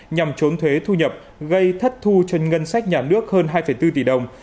nhằm trốn thuế thu nhập gây thất thu cho ngân sách nhà nước hơn hai bốn tỷ đồng